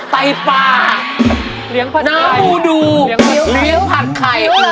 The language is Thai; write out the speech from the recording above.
ไตปลาน้ำหมูดูเลี้ยงผัดไข่